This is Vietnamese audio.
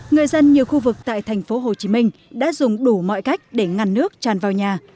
người dân nhiều khu vực tại thành phố hồ chí minh đã dùng đủ mọi cách để ngăn nước tràn vào nhà